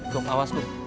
kum awas kum